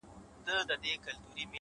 هر انسان ځانګړې وړتیا لري’